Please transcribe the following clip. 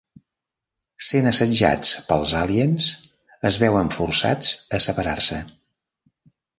Sent assetjats pels àliens es veuen forçats a separar-se.